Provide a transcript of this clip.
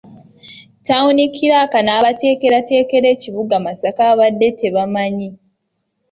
Ttawuni Kkiraaka n’abateekerateekera ekibuga Masaka babadde tebamanyi.